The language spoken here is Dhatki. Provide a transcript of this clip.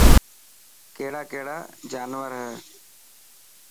ڪهڙا ڪهڙا جانور هي.